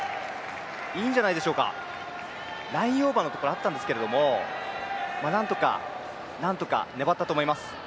いいんじゃないでしょうか、ラインオーバーのところ、あったんですけれども、何とか、何とか粘ったと思います。